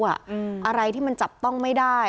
อะไรที่มันจับต้องไม่ได้